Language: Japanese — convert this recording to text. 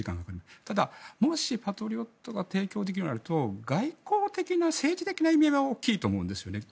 ただ、もしパトリオットが提供できるとなると外交的な、政治的な意味合いが大きいと思うんですよね。